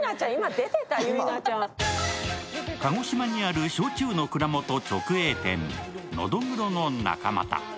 鹿児島にある焼酎の蔵元直営店、のどぐろの中俣。